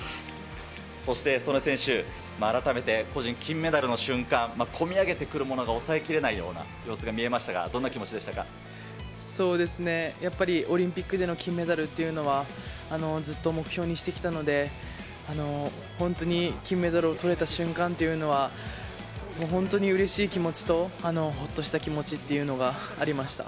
そして素根選手、改めて個人金メダルの瞬間、こみ上げてくるものが抑えきれないような様子が見えましたが、そうですね、やっぱりオリンピックでの金メダルっていうのは、ずっと目標にしてきたので、本当に金メダルをとれた瞬間というのは、本当にうれしい気持ちと、ほっとした気持ちっていうのがありました。